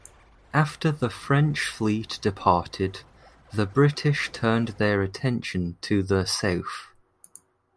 After the French fleet departed, the British turned their attention to the south.